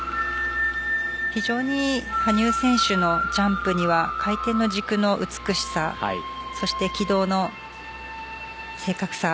非常に羽生選手のジャンプには回転の軸の美しさそして軌道の正確さ。